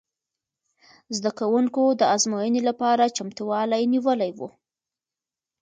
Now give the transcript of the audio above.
زده کوونکو د ازموینې لپاره چمتووالی نیولی و.